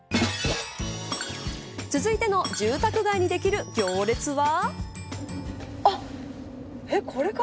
続いての住宅街にできる行列は。